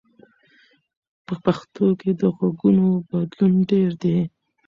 په پښتو کې د غږونو بدلون ډېر دی.